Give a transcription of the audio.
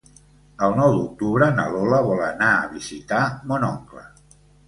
El nou d'octubre na Lola vol anar a visitar mon oncle.